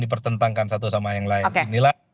dipertentangkan satu sama yang lain inilah